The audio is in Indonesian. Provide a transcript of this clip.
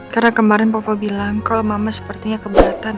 karena kemarin papa bilang kalau mama sepertinya keberatan